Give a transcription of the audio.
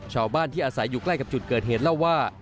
ชาวบ้านที่อาศัยอยู่ใกล้กับจุดเกิดเหตุเล่าว่า